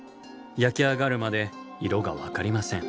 焼き上がるまで色が分かりません。